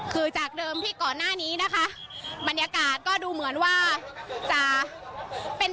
คือจากเดิมที่ก่อนหน้านี้นะคะบรรยากาศก็ดูเหมือนว่าจะเป็น